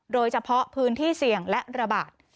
โดยเฉพาะพื้นที่เสี่ยงและระบาด